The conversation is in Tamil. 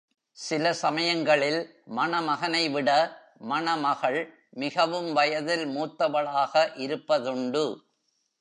சில சமயங்களில் மணமகனைவிட மணமகள் மிகவும் வயதில் மூத்தவளாக இருப்பதுண்டு.